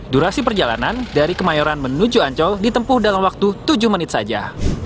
durasi perjalanan dari kemayoran menuju ancol ditempuh dalam waktu tujuh menit saja